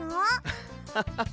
アハハハ！